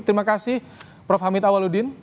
terima kasih prof hamid awaludin